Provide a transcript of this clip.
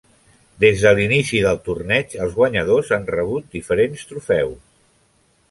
Des de l'inici del torneig, els guanyadors han rebut diferents trofeus.